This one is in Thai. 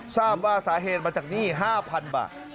ทราบว่าสาเหตุมาจากหนี้๕๐๐๐บาท